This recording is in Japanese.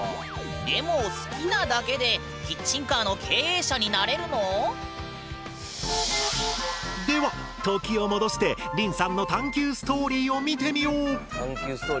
でも好きなだけでキッチンカーの経営者になれるの？では時を戻してりんさんの探究ストーリーを見てみよう！